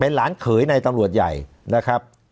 หลานเขยในตำรวจใหญ่นะครับ